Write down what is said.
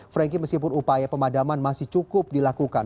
frankie meskipun upaya pemadaman masih cukup dilakukan